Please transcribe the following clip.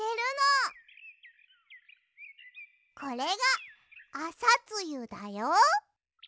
これがアサツユだよ。